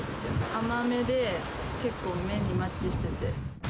甘めで結構麺にマッチしてて。